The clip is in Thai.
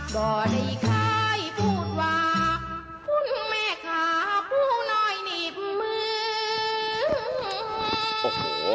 บ่ได้ค่ายพูดว่าคุณแม่ขาผู้น้อยหนีบมือ